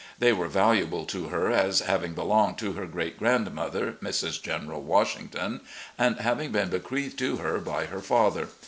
They were valuable to her as having belonged to her great grandmother (Mrs. General Washington), and having been bequeathed to her by her father.